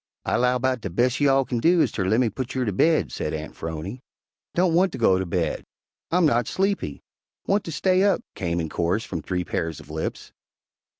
"I 'low 'bout de bes' you all kin do is ter lemme putt you ter baid," said Aunt 'Phrony. "Don't want to go to bed," "I'm not sleepy," "Want to stay up," came in chorus from three pairs of lips.